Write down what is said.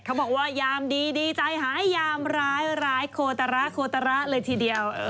บอกว่ายามดีดีใจหายยามร้ายร้ายโคตระโคตระเลยทีเดียว